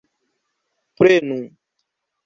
prenu